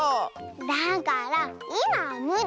だからいまはむり。